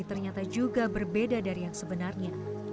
ternyata juga berbeda dari yang sebenarnya